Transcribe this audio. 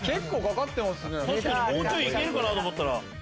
もうちょい行けるかと思ったら。